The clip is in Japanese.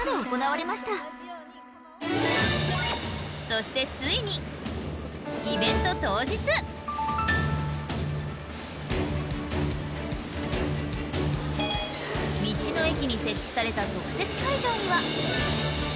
そしてついに道の駅に設置された特設会場には。